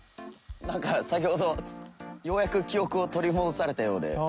なんか先ほどようやく記憶を取り戻されたようで。